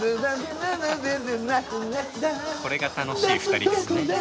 これが楽しい２人ですね。